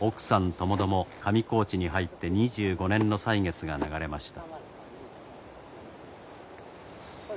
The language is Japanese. ともども上高地に入って２５年の歳月が流れました。